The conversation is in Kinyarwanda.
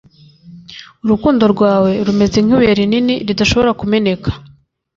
Urukundo rwawe rumeze nk’ibuye rinini ridashobora kumeneka